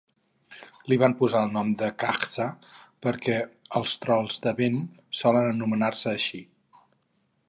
Li van posar el nom de "Kajsa" perquè els trols de vent solen anomenar-se així.